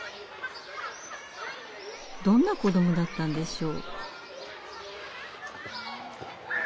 どんな子どもだったんでしょう。